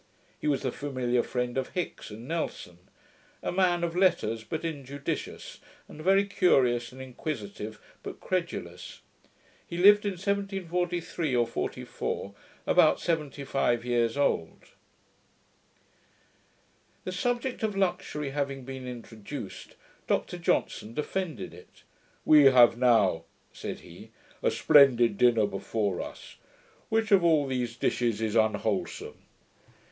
He was the familiar friend of Hicks and Nelson; a man of letters, but injudicious; and very curious and inquisitive, but credulous. He lived in 1743, or 44, about 75 years old. The subject of luxury having been introduced, Dr Johnson defended it. 'We have now,' said he, 'a splendid dinner before us. Which of all these dishes is unwholsome?'